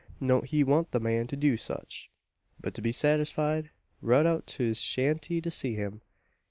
Knowd he wan't the man to do sech; but, to be saterfied, rud out to his shanty to see him.